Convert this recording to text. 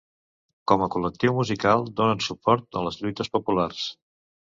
Com a col·lectiu musical donen suport a les lluites populars.